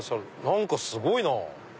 何かすごいな。